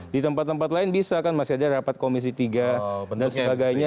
di tempat tempat lain bisa kan masih ada rapat komisi tiga dan sebagainya